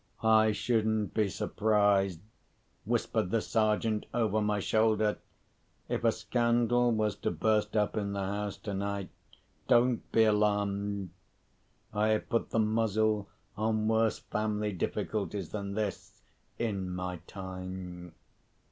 "I shouldn't be surprised," whispered the Sergeant over my shoulder, "if a scandal was to burst up in the house tonight. Don't be alarmed! I have put the muzzle on worse family difficulties than this, in my time."